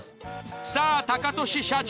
さあタカトシ社長